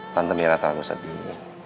tante mira terlalu sedih